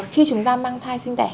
khi chúng ta mang thai sinh đẻ